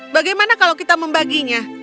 bagaimana kalau kita membaginya